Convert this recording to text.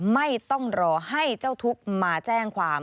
ไม่ต้องรอให้เจ้าทุกข์มาแจ้งความ